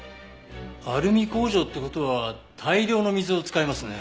アルミ工場って事は大量の水を使いますね。